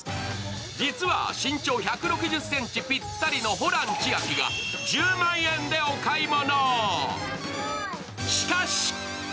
実は身長１６０ｃｍぴったりのホラン千秋が１０万円でお買い物。